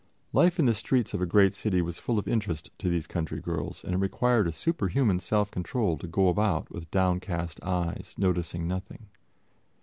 Life in the streets of a great city was full of interest to these country girls, and it required a superhuman self control to go about with downcast eyes, noticing nothing.